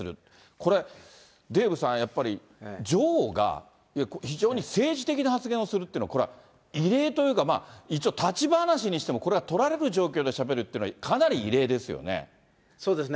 これ、デーブさん、やっぱり女王が非常に政治的な発言をするっていうのはこれ、異例というか、まあ、一応立ち話にしても、とられる状況でしゃべるっていうのはこれはかなり異例ですよね。